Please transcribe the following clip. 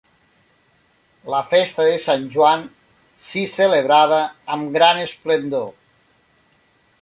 La festa de sant Joan s'hi celebrava amb gran esplendor.